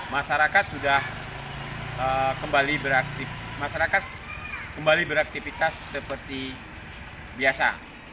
masyarakat sudah kembali beraktifitas seperti biasa